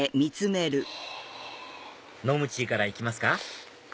飲むチーから行きますか？